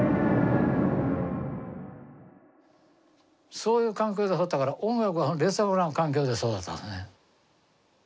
そういう環境で育ったから音楽は劣悪な環境で育ったんですね。